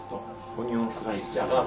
オニオンスライス。